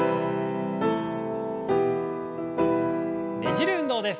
ねじる運動です。